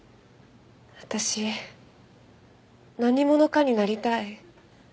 私何者かになりたい。